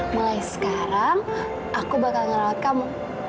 mulai sekarang aku bakal ngerawat kamu